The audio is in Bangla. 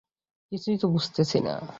কিছুই তো বুঝতেছি না।